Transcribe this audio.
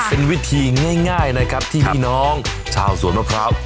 เป็นวิธีง่ายนะครับที่พี่น้องชาวสวนมะพร้าว